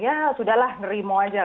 ya sudah lah nerima saja